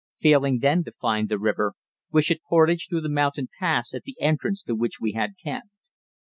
Failing then to find the river, we should portage through the mountain pass at the entrance to which we had camped.